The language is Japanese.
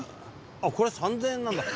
あっこれ３０００円なんだ。